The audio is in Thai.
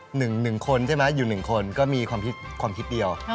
หนึ่งหนึ่งคนใช่ไหมอยู่หนึ่งคนก็มีความคิดเดียว